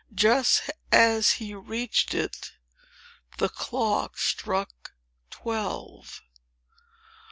Just as he reached it, the clock struck twelve.